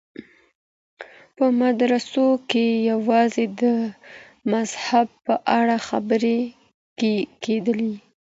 په مدرسو کي يوازې د مذهب په اړه خبري کېدې.